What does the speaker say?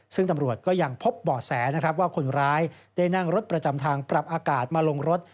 ซึ่งตำรวจก็ยังพบบ่อแสนะครับว่าคนร้ายได้นั่งรถประจำทางปรับอากาศมาลงรถ